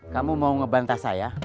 kamu mau ngebantah saya